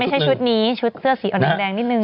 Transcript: วันนี้ไม่ใช่ชุดนี้ชุดเสื้อสีอ่อนแดงนิดนึง